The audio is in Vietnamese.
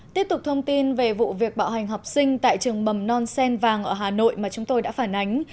tiếp tục thông tin về vụ việc bạo hành học sinh tại trường mầm non sen vàng ở hà nội mà chúng tôi đã phản ánh